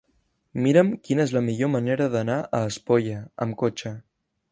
Mira'm quina és la millor manera d'anar a Espolla amb cotxe.